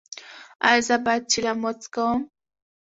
ایا زه باید چلم وڅکوم؟